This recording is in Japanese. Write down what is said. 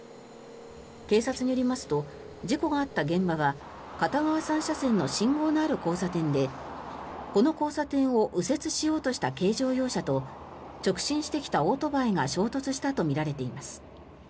警察によりますと事故があった現場は片側３車線の信号のある交差点でこの交差点を右折しようとした軽乗用車と直進してきたオートバイが衝突したとみられています。